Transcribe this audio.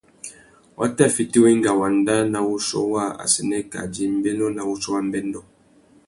Wa tà fiti wenga wanda nà wuchiô waā assênē kā djï mbénô nà wuchiô wa mbêndô.